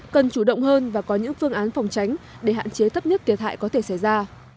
cần chủ động hơn và có những phương án phòng tránh để hạn chế thấp nhất thiệt hại có thể xảy ra